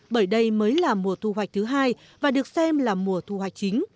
bởi đây mới là mùa thu hoạch thứ hai và được xem là mùa thu hoạch chính